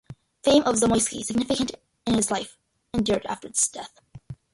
Fame of Zamoyski, significance in life, endured after his death.